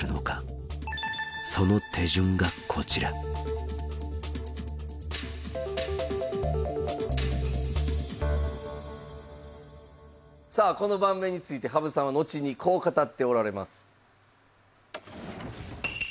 その手順がこちらさあこの盤面について羽生さんは後にこう語っておられます。